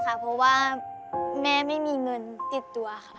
เพราะว่าแม่ไม่มีเงินติดตัวค่ะ